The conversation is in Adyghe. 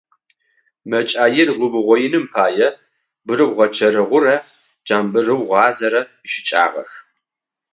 Мэкӏаир уугъоиным пае бырыугъэчэрэгъурэ джамбырыугъазэрэ ищыкӏагъэх.